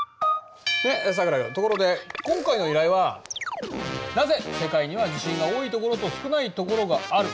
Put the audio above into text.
さくら君ところで今回の依頼は「なぜ世界には地震が多いところと少ないところがある？」